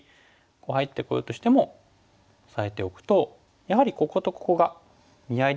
入ってこようとしてもオサえておくとやはりこことここが見合いですかね。